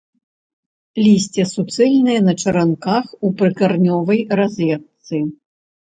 Лісце суцэльнае, на чаранках, у прыкаранёвай разетцы.